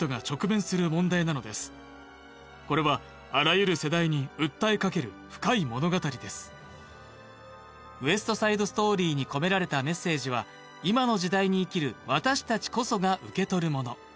主演女優賞助演女優賞の三冠を獲得しました「ウエスト・サイド・ストーリー」に込められたメッセージは今の時代に生きる私たちこそが受け取るもの